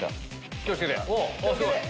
気を付けて。